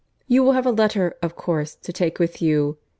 "You will have a letter, of course, to take with you.